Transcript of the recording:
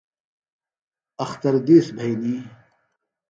اختر دِیس بھئنی۔